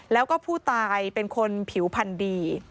แล้วก็ผู้ตายเป็นคนผิวพันธุ์ดี